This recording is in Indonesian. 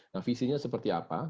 nah visinya seperti apa